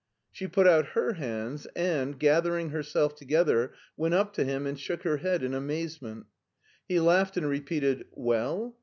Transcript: She put out her hands and, gathering herself together, went up to him and shook her head in amaze ment. He laughed and repeated " Well